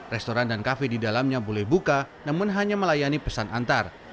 restoran dan kafe di dalamnya boleh buka namun hanya melayani pesan antar